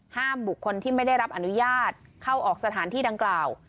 ห้ามบุคคลที่ไม่ได้รับอนุญาตเข้าออกสถานที่ดังกล่าว